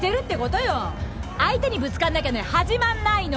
相手にぶつかんなきゃね始まんないの！